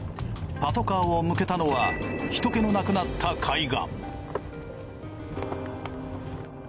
パトカーを向けたのは人けのなくなった海岸。